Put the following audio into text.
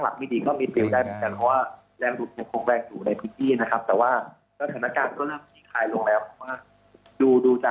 แล้วมีน้ำท่วมไหมคะ